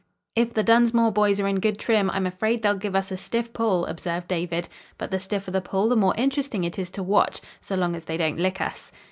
"If the Dunsmore boys are in good trim, I'm afraid they'll give us a stiff pull," observed David, "but the stiffer the pull the more interesting it is to watch, so long as they don't lick us."